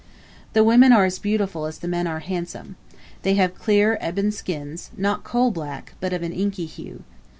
The women are as beautiful as the men are handsome. They have clear ebon skins, not coal black, but of an inky hue.